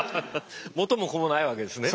元も子もないわけですね。